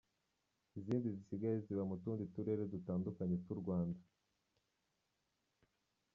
Izindi zisigaye ziba mu tundi turere dutandukanye tw’u Rwanda.